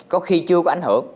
có khi chưa có ảnh hưởng